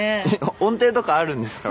音程とかあるんですか？